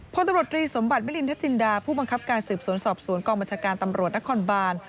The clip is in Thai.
พรทสมบัติเม้ิลินทัศน์จินดาผู้บังคับการสืบสวนสอบสวนกองบัญชการตำรวจนครบาน